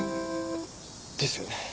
ですよね。